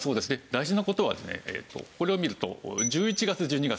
大事な事はこれを見ると１１月１２月患者さん